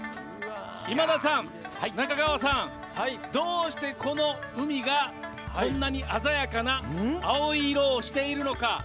今田さん、中川さん、どうしてこの海が、こんなに鮮やかな青い色をしているのか。